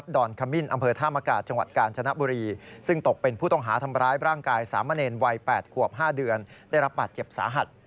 ๕เดือนได้รับบาดเจ็บสาหัส